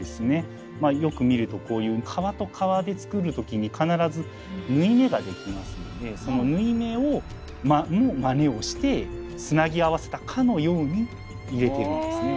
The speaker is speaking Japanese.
よく見るとこういう革と革で作る時に必ず縫い目ができますのでその縫い目のマネをしてつなぎ合わせたかのように入れているんですね